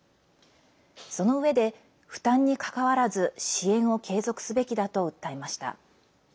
そのうえで、負担にかかわらず支援を継続すべきだと訴えました。